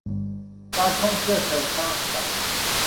การท่องเที่ยวเชิงสร้างสรรค์